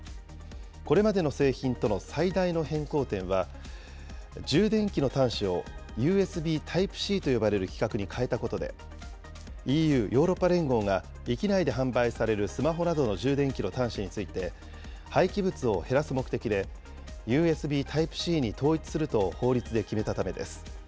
これまでの製品との最大の変更点は、充電器の端子を、ＵＳＢタイプＣと呼ばれる規格に変えたことで、ＥＵ・ヨーロッパ連合が、域内で販売されるスマホなどの充電器の端子について、廃棄物を減らす目的でＵＳＢタイプＣに統一すると法律で決めたためです。